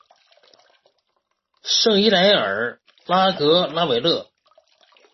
圣伊莱尔拉格拉韦勒。